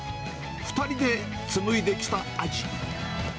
２人で紡いできた味。